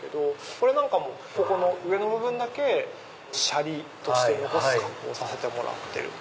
これなんかも上の部分だけ舎利として残す加工をさせてもらってる。